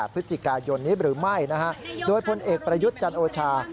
๑๗๑๘พฤศจิกายนหรือไม่โดยพลเอกประยุทธ์จันทร์โอชา